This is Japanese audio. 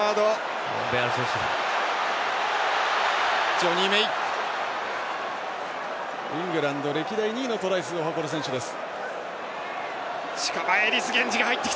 ジョニー・メイイングランド歴代２位のトライ数を誇る選手です。